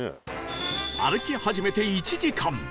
歩き始めて１時間